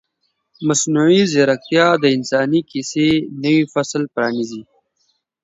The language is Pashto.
مصنوعي ځیرکتیا د انساني کیسې نوی فصل پرانیزي.